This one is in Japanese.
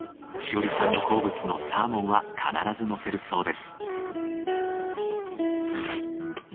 志織さんの好物のサーモンは必ずのせるそうです。